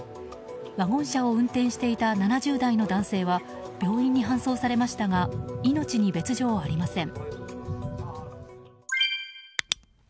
ワゴン車を運転していた７０代の男性は病院に搬送されましたが命に別条ありません。